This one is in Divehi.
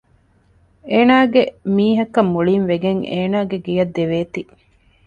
އޭނާގެ މީހަކަށް މުޅީންވެގެން އޭނާގެ ގެއަށް ދެވޭތީ